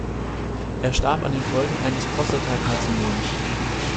Er starb an den Folgen eines Prostatakarzinoms.